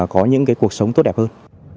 có những cái cuộc sống tốt đẹp hơn